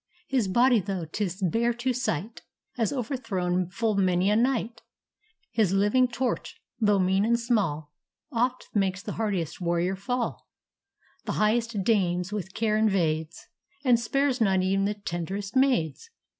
His body, though 'tis bare to sight, Has overthrown full many a knight; His living torch, though mean and small, Oft makes the hardiest warrior fall, The highest dames with care invades, And spares not e'en the tenderest maids.